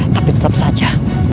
tapi tetap saja